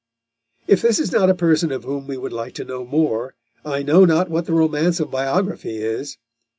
If this is not a person of whom we would like to know more, I know not what the romance of biography is.